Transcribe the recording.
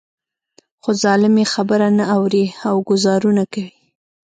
خو ظالم يې خبره نه اوري او ګوزارونه کوي.